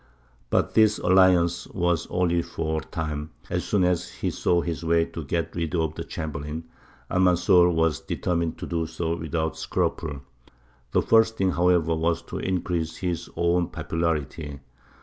But this alliance was only for a time: as soon as he saw his way to get rid of the chamberlain, Almanzor was determined to do so without scruple. The first thing, however, was to increase his own popularity.